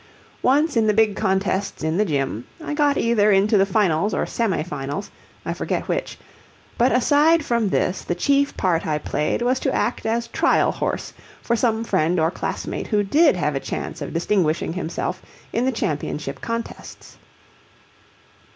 Once, in the big contests in the Gym, I got either into the finals or semi finals, I forget which; but aside from this the chief part I played was to act as trial horse for some friend or classmate who did have a chance of distinguishing himself in the championship contests.